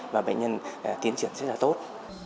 và bệnh nhân tiến triển rất là tốt